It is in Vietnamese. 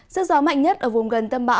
sức gió mạnh nhất ở vùng gần tâm bão